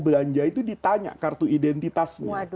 belanja itu ditanya kartu identitasnya